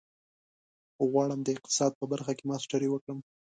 غواړم د اقتصاد په برخه کې ماسټري وکړم.